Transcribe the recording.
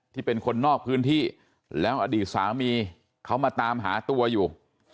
ที่เป็นคนนอกพื้นที่แล้วอดีตสามีเขามาตามหาตัวอยู่